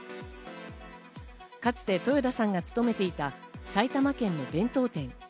かつて豊田さんが勤めていた埼玉県の弁当店。